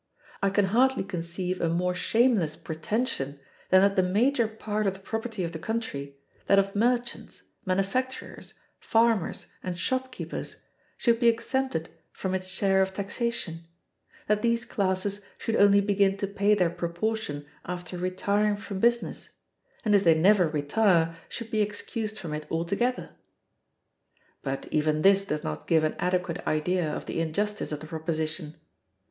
I can hardly conceive a more shameless pretension than that the major part of the property of the country, that of merchants, manufacturers, farmers, and shopkeepers, should be exempted from its share of taxation; that these classes should only begin to pay their proportion after retiring from business, and if they never retire should be excused from it altogether. But even this does not give an adequate idea of the injustice of the proposition.